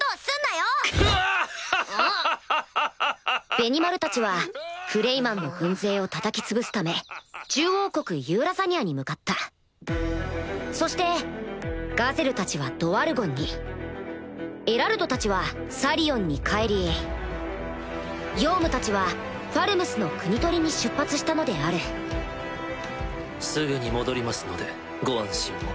ベニマルたちはクレイマンの軍勢をたたき潰すため獣王国ユーラザニアに向かったそしてガゼルたちはドワルゴンにエラルドたちはサリオンに帰りヨウムたちはファルムスの国盗りに出発したのであるすぐに戻りますのでご安心を。